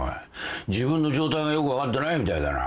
自分の状態がよく分かってないみたいだな。